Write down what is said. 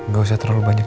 gak usah terlalu banyak